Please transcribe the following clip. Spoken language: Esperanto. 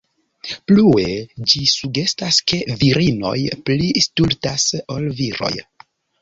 Plue ĝi sugestas, ke virinoj pli stultas ol viroj.